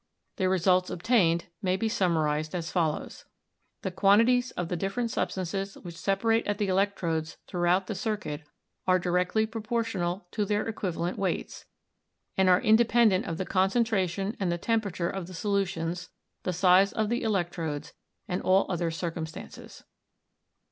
The results obtained may be summarized as follows: The quantities of the different substances which sep arate at the electrodes throughout the circuit are directly proportional to their equivalent weights, and are inde pendent of the concentration and the temperature of the solutions, the size of the electrodes, and all other circum stances.